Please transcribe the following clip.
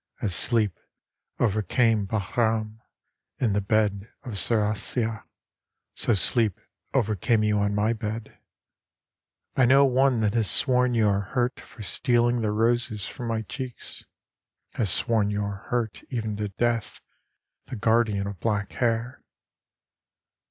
As sleep overcame Bahram In the bed of Sarasya, so sleep overcame you on my bed. I know one that has sworn your hurt for stealing the roses from my cheeks. Has sworn your hurt even to death, the Guardian of black hair.